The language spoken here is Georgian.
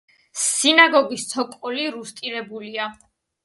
სინაგოგის ცოკოლი რუსტირებულია.